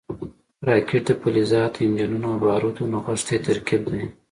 راکټ د فلزاتو، انجنونو او بارودو نغښتی ترکیب دی